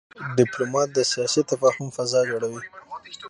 ډيپلومات د سیاسي تفاهم فضا جوړوي.